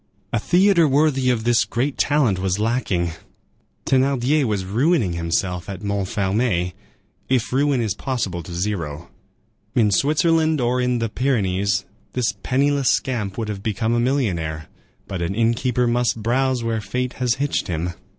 A theatre worthy of this great talent was lacking. Thénardier was ruining himself at Montfermeil, if ruin is possible to zero; in Switzerland or in the Pyrenees this penniless scamp would have become a millionaire; but an inn keeper must browse where fate has hitched him.